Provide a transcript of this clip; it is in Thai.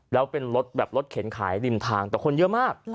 แล้วเป็นรถแบบรถเข็นขายริมทางแต่คนเยอะมาก